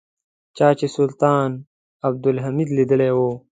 چا چې سلطان عبدالحمید لیدلی و.